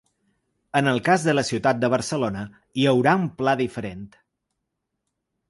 En el cas de la ciutat de Barcelona, hi haurà un pla diferent.